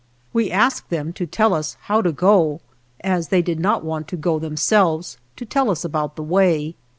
We asked them to tell us how to go, as they did not want to go them selves, to tell us about the way.